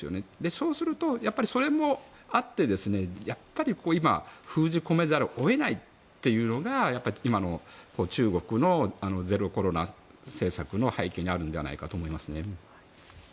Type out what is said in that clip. そうするとそれもあって今、封じ込めざるを得ないというのが今の中国のゼロコロナ政策の背景にあるのではないかと思います。